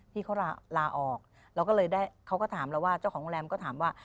พี่เขาลาออกเราก็เลยได้เขาก็ถามเราว่าเจ้าของโรงแรมก็ถามว่า